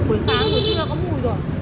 buổi sáng cũng chưa có mùi rồi